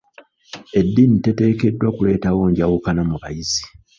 Edddiini teteekeddwa kuleetawo njawukana mu bayizi.